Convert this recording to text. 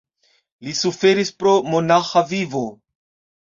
Li suferis pro monaĥa vivo.